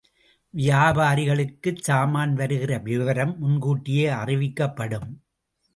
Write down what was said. வியாபாரிகளுக்குச் சாமான் வருகிற விபரம் முன்கூட்டியே அறிவிக்கப்படும்.